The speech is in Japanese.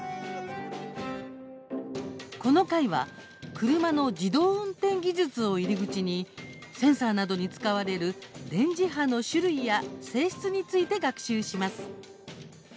この回は車の自動運転技術を入り口にセンサーなどに使われる電磁波の種類や性質について学習します。